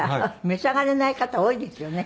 召し上がれない方多いですよね。